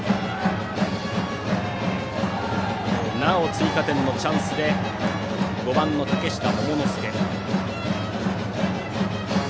なお追加点のチャンスで５番の嶽下桃之介。